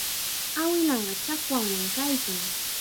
Awilanqa chakwannam kaykan.